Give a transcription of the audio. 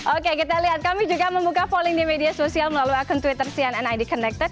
oke kita lihat kami juga membuka polling di media sosial melalui akun twitter cnn id connected